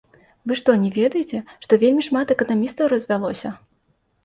Вы што, не ведаеце, што вельмі шмат эканамістаў развялося?